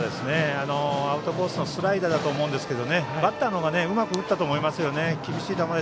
アウトコースのスライダーだったと思いますがバッターの方がうまく打ったと思います。